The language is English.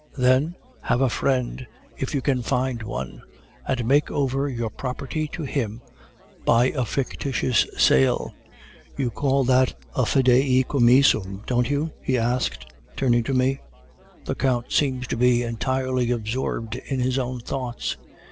Then, have a friend if you can find one and make over your property to him by a fictitious sale. You call that a fidei commissum, don't you?' he asked, turning to me. "The Count seemed to be entirely absorbed in his own thoughts.